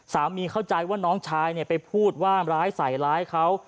สามีเข้าใจว่าน้องชายเนี่ยไปพูดว่าร้ายใสล้ายเค้า